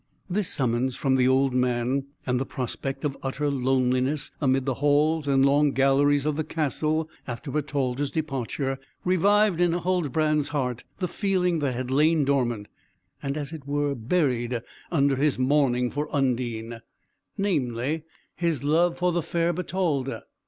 This summons from the old man, and the prospect of utter loneliness amid the halls and long galleries of the castle after Bertalda's departure, revived in Huldbrand's heart the feeling that had lain dormant, and as it were buried under his mourning for Undine, namely, his love for the fair Bertalda.